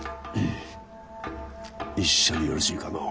一緒によろしいかのう？